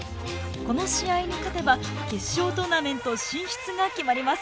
この試合に勝てば決勝トーナメント進出が決まります。